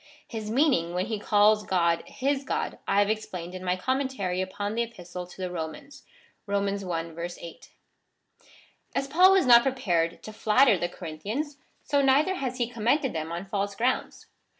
His meaning, when he calls God his God, I have explained in my Commentary upon the Epistle to the Romans (Rom. i. 8.) As Paul was not prepared to flatter the Corinthians, so neither has he commended them on false grounds.